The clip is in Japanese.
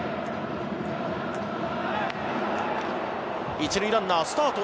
１塁ランナースタート。